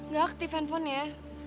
gak aktif handphonenya